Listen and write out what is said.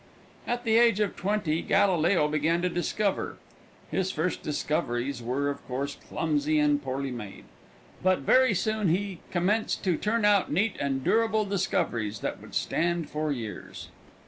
At the age of twenty Galileo began to discover. His first discoveries were, of course, clumsy and poorly made, but very soon he commenced to turn out neat and durable discoveries that would stand for years.